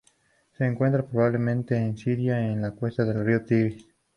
Se encuentra, probablemente, en Siria o en la cuenca del río Tigris.